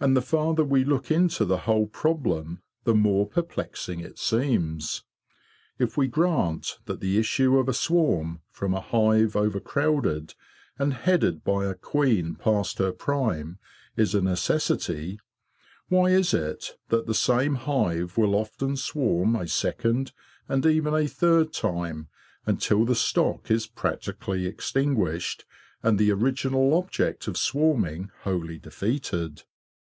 And the farther we look into the whole problem the more perplexing it seems. If we grant that the issue of a swarm, from a hive overcrowded and headed by a queen past her prime, is a necessity, why is it that the same hive will often swarm a second and even a third time until the stock is practically extinguished and the original object of swarming wholly defeated?